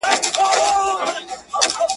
له میاشتونو له کلونو.